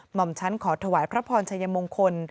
หมอมชั้นขอถวายพระพรชัยมงคล